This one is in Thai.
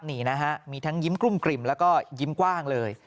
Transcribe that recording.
นี่นะฮะมีทั้งยิ้มกลุ้มกลิ่มแล้วก็ยิ้มกว้างเลย